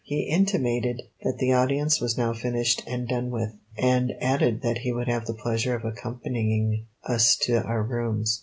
He intimated that the audience was now finished and done with, and added that he would have the pleasure of accompanying us to our rooms.